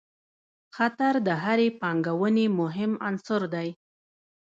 خطر د هرې پانګونې مهم عنصر دی.